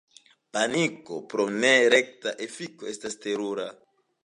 Paniko, pro nerekta efiko, estas terura.